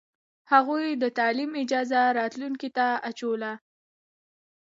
هغوی د تعلیم اجازه راتلونکې ته اچوله.